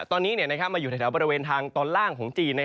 ตอนนี้มาอยู่แถวบริเวณทางตอนล่างของจีน